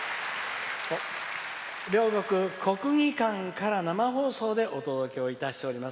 両国国技館から生放送でお届けをしております。